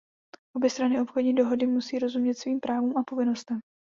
Obě strany obchodní dohody musí rozumět svým právům a povinnostem.